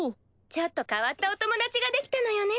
ちょっと変わったお友達ができたのよね。